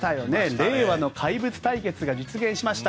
令和の怪物対決が実現しました。